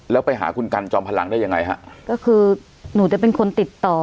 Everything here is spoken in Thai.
แล้วไปหาคุณกันจอมพลังได้ยังไงฮะก็คือหนูจะเป็นคนติดต่อ